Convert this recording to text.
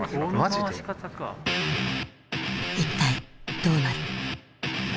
一体どうなる。